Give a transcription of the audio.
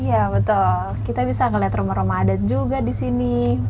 iya betul kita bisa melihat rumah rumah adat juga di sini